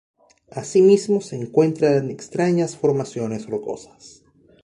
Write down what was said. Asimismo se encuentran extrañas formaciones rocosas.